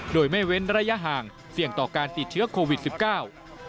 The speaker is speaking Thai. โดยไม่เว้นระยะห่างเสี่ยงต่อการติดเชื้อโควิดสิบเก้า